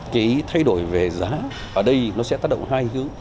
cái thay đổi về giá ở đây nó sẽ tác động hai hướng